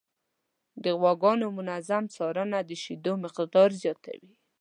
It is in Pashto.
د غواګانو منظم څارنه د شیدو مقدار زیاتوي.